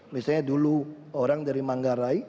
misalnya dulu orang dari manggarai